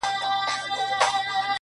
او تاته زما د خپلولو په نيت ـ